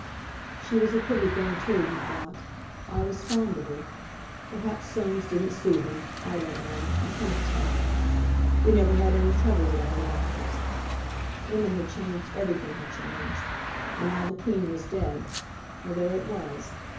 "She was a pretty thing, too," he thought; "I was fond of her. Perhaps Soames didn't suit her—I don't know—I can't tell. We never had any trouble with our wives." Women had changed everything had changed! And now the Queen was dead—well, there it was!